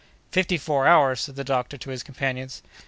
"Fifty four hours!" said the doctor to his companions.